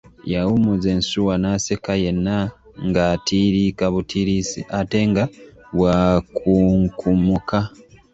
Yawummuza ensuwa naseka yenna ng’atiiriika butiirisi ate nga bw’akunkumuka.